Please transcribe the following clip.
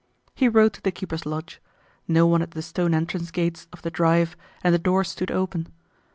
He rode to the keeper's lodge. No one was at the stone entrance gates of the drive and the door stood open.